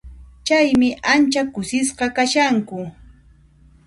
Chaymi ancha kusisqa kashanku.